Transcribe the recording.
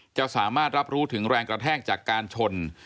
จะสามารถรับรู้ถึงแรงกระแทกจากการชน